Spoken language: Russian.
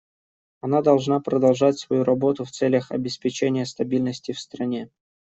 Она должна продолжать свою работу в целях обеспечения стабильности в стране.